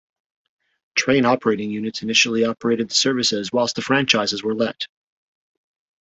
Train Operating Units initially operated the services whilst the franchises were let.